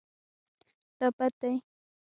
دا بد دی